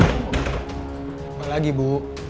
apa lagi bu